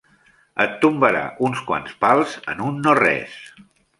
Et tombarà uns quants pals en un no-res.